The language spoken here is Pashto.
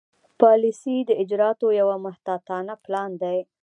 پالیسي د اجرااتو یو محتاطانه پلان دی.